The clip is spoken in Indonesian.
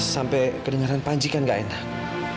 sampai kedengaran panci kan gak enak